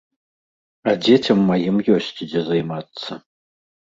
А дзецям маім ёсць, дзе займацца.